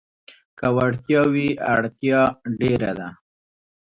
که وړتيا وي، اړتيا ډېره ده.